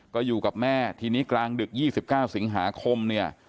ก็อยู่กับแม่ทีนี้กลางดึก๒๙สิงหาคมเนี่ย